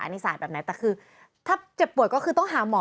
อันนี้สาดแบบนี้แต่คือถ้าเจ็บปวดก็คือต้องหาหมอ